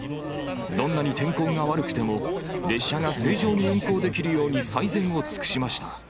どんなに天候が悪くても、列車が正常に運行できるように最善を尽くしました。